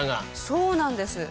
そうなんです。